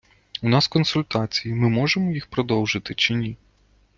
У нас консультації, ми можемо їх продовжити чи ні?